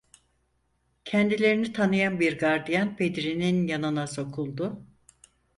Kendilerini tanıyan bir gardiyan Bedri’nin yanına sokuldu: